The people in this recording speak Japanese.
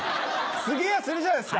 すげぇ奴いるじゃないですか。